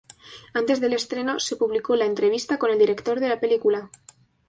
Antes del estreno, se publicó la entrevista con el director de la película.